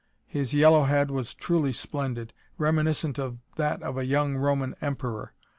His yellow head was truly splendid, reminiscent of that of a young Roman Emperor.